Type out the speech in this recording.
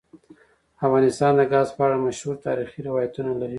افغانستان د ګاز په اړه مشهور تاریخی روایتونه لري.